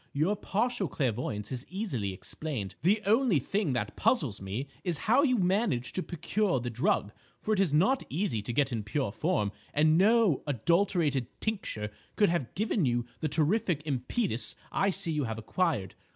Your partial clairvoyance is easily explained. The only thing that puzzles me is how you managed to procure the drug, for it is not easy to get in pure form, and no adulterated tincture could have given you the terrific impetus I see you have acquired.